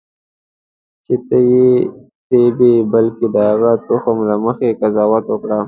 چې ته یې رېبې بلکې د هغه تخم له مخې قضاوت وکړه.